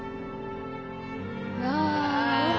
ああ。